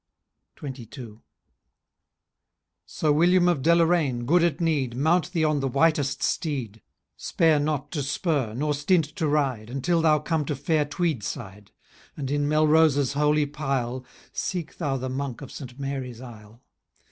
XXII. Sir William of Deloraine, good at need. Mount thee on the wightest steed ; Spare not to spur, nor stint to ride. Until thou come to fiur Tweedside ; And in Melrose's holy pile Seek thou the Monk of St Mary's aisle.